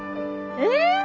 えっ！